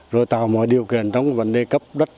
rồi tạo mọi điều kiện trong vấn đề cấp đất